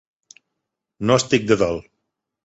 No estic de dol.